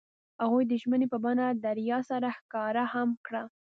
هغوی د ژمنې په بڼه دریا سره ښکاره هم کړه.